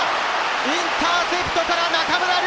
インターセプトから中村亮